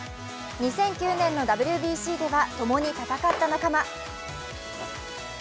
２００９年のＷＢＣでは共に戦った仲間。